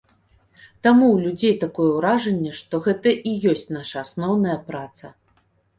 Таму ў людзей такое ўражанне, што гэта і ёсць наша асноўная праца.